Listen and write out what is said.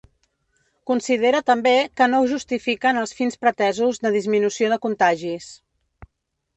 Considera també que no justifiquen els fins pretesos de disminució de contagis.